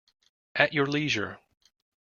At your leisure.